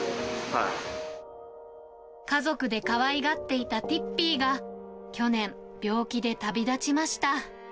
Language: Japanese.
家族でかわいがっていたティッピーが去年、病気で旅立ちました。